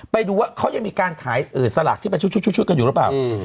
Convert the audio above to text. ไปดูว่าเขายังมีการขายสลากที่เป็นชุดกันอยู่หรือเปล่า